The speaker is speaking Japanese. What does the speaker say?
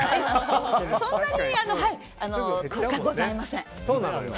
そんなに効果ございません。